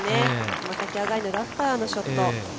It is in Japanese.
爪先上がりのラフからのショット。